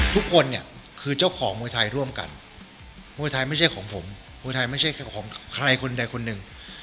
ทุกคนเนี่ยคือเจ้าของมวยไทยร่วมกันมวยไทยไม่ใช่ของผมมวยไทยไม่ใช่ของใครคนใดคนหนึ่ง